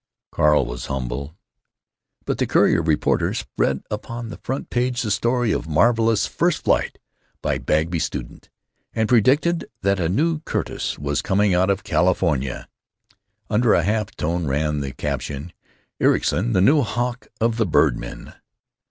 Carl was humble. But the Courier reporter spread upon the front page the story of "Marvelous first flight by Bagby student," and predicted that a new Curtiss was coming out of California. Under a half tone ran the caption, "Ericson, the New Hawk of the Birdmen."